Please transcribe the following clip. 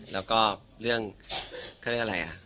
แล้วก็เรื่องคือเรื่องอะไรอะ